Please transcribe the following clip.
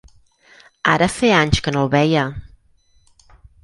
Ara feia anys que no el veia...